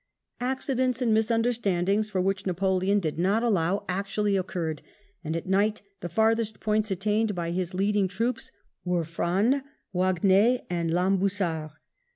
Accidents and mis understandings for which Napoleon did not allow actually occurred, and at night the farthest points attained by his leading troops were Frasne, Wagn^e, and Lambusart.